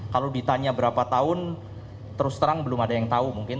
kalau ditanya berapa tahun terus terang belum ada yang tahu mungkin